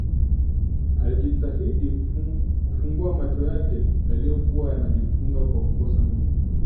Alijitahidi kufungua macho yake yaliyokuwa yanajifunga kwa kukosa nguvu